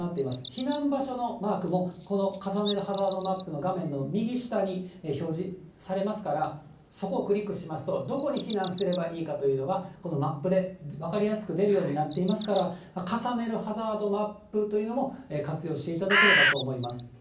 避難場所のマークも、この重ねるハザードマップの画面の右下に、表示されますから、そこをクリックしますと、どこに避難すればいいかというのが、このマップで分かりやすく出るようになっていますから、重ねるハザードマップというのも、活用していただければと思います。